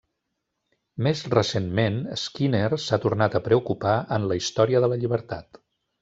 Més recentment, Skinner s'ha tornat a preocupar en la història de la llibertat.